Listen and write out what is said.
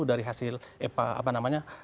dari hasil apa namanya